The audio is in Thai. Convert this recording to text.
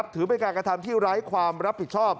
ถือเป็นการกระทำที่ไร้ความรับผิดชอบ